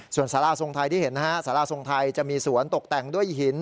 ส่วนสาราทรงไทยที่เห็นนะฮะสาราทรงไทยจะมีสวนตกแต่งด้วยหิน